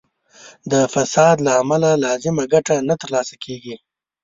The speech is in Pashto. د فساد له امله لازمه ګټه نه تر لاسه کیږي.